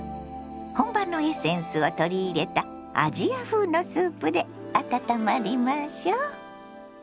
本場のエッセンスを取り入れたアジア風のスープで温まりましょ。